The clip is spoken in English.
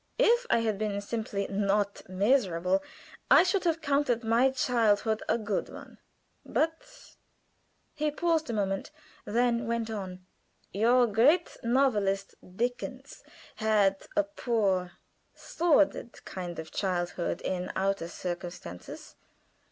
If I had been simply not miserable, I should have counted my childhood a good one; but " He paused a moment, then went on: "Your great novelist, Dickens, had a poor, sordid kind of childhood in outward circumstances.